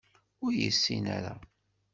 Ur yessin ara.